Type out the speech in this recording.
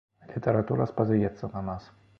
Літаратура спадзяецца на нас.